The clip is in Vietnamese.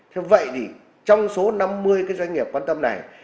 thế vậy thì trong số năm mươi cái doanh nghiệp quan tâm này